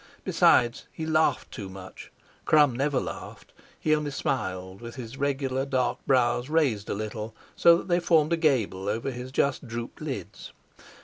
Besides, he laughed too much—Crum never laughed, he only smiled, with his regular dark brows raised a little so that they formed a gable over his just drooped lids.